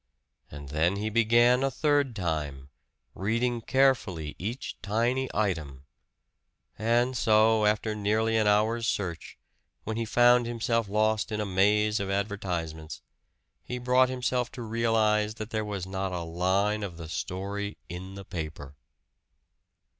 And then he began a third time, reading carefully each tiny item. And so, after nearly an hour's search, when he found himself lost in a maze of advertisements, he brought himself to realize that there was not a line of the story in the paper!